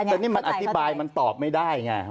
แต่นี่มันอธิบายมันตอบไม่ได้ไง